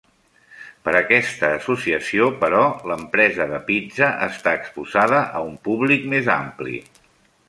Per aquesta associació, però, l'empresa de pizza està exposada a un públic més ampli.